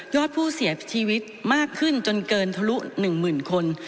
ยอดผู้เสียชีวิตมากขึ้นจนเกินทะลุหนึ่งหมื่นคน